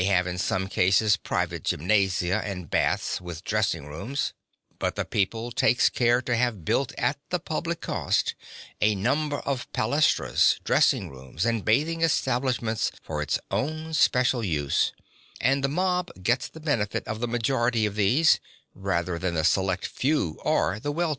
Rich men have in some cases private gymnasia and baths with dressing rooms, (9) but the People takes care to have built at the public cost (10) a number of palaestras, dressing rooms, and bathing establishments for its own special use, and the mob gets the benefit of the majority of these, rather than the select few or the well to do.